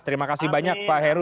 terima kasih banyak pak heru